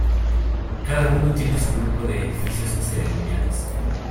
Cada uno tiene su grupo de edificios ceremoniales.